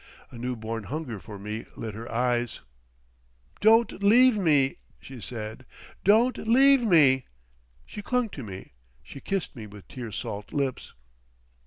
A new born hunger for me lit her eyes. "Don't leave me!" she said, "don't leave me!" She clung to me; she kissed me with tear salt lips.